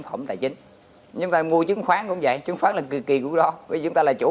phẩm tài chính nhưng mà mua chứng khoán cũng vậy chứng khoán là cực kỳ của đó với chúng ta là chủ